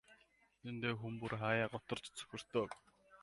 Үнэндээ хүн бүр хааяа гутарч цөхөрдөг.